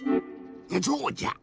そうじゃ！